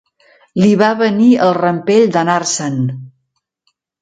Li va venir el rampell d'anar-se'n.